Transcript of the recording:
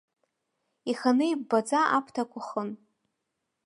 Иханы иббаӡа аԥҭақәа хын.